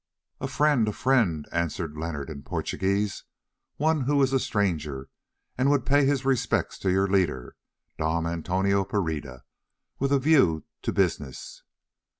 "A friend—a friend!" answered Leonard in Portuguese; "one who is a stranger and would pay his respects to your leader, Dom Antonio Pereira, with a view to business."